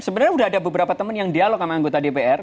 sebenarnya sudah ada beberapa teman yang dialog sama anggota dpr